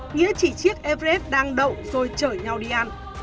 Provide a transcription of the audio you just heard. nghĩa chỉ chiếc everest đang đậu rồi chở nhau đi an